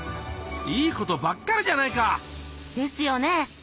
いいことばっかりじゃないか！ですよね！